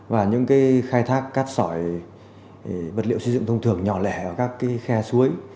và những khai thác cát sỏi vật liệu xây dựng thông thường nhỏ lẻ ở các khe suối